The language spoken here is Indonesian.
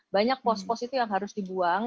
banyak pos pos itu yang harus dibuang